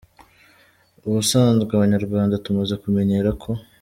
Ubusanzwe abanyarwanda tumaze kumenyera ko .